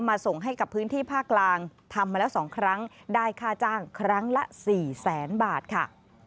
ส่งให้กับพื้นที่ภาคกลางทำมาแล้ว๒ครั้งได้ค่าจ้างครั้งละ๔แสนบาทค่ะ